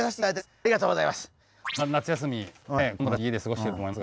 ありがとうございます。